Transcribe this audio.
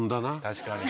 確かに。